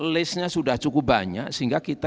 list nya sudah cukup banyak sehingga kita